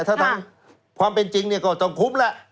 ถ้าถามความเป็นจริงก็จะคุ้มแล้ว